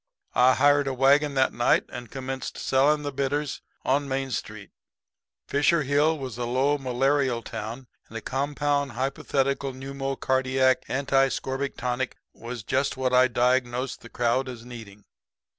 "I hired a wagon that night and commenced selling the bitters on Main Street. Fisher Hill was a low, malarial town; and a compound hypothetical pneumocardiac anti scorbutic tonic was just what I diagnosed the crowd as needing.